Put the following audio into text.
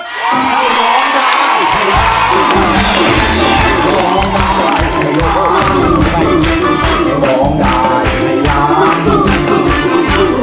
ร้องได้ให้ร้าง